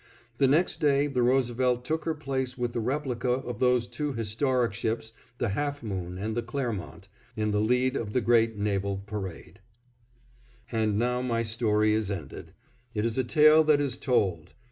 The next day the Roosevelt took her place with the replica of those two historic ships, the Half Moon and the Clermont, in the lead of the great naval parade. And now my story is ended; it is a tale that is told.